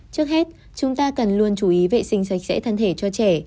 trước hết chúng ta cần luôn chú ý vệ sinh sạch sẽ thân thể cho trẻ